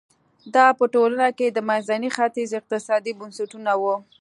دا په ټوله کې د منځني ختیځ اقتصادي بنسټونه وو.